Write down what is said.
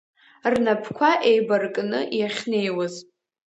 Рнапқәа еибаркны иахьнеиуаз.